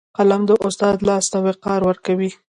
قلم د استاد لاس ته وقار ورکوي